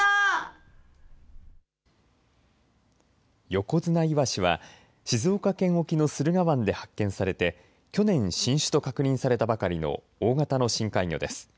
ヨコヅナイワシは静岡県沖の駿河湾で発見されて去年、新種と確認されたばかりの大型の深海魚です。